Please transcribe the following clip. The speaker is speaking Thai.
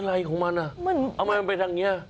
อะไรของมันทำไมมันไปทางนี้